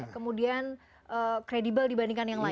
kemudian kredibel dibandingkan yang lain